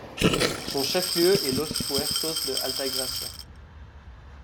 Son chef-lieu est Los Puertos de Altagracia.